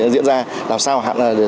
diễn ra làm sao hạn